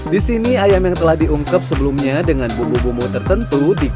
di sini ayam yang telah diungkep sebelumnya dengan bumbu bumbu tertentu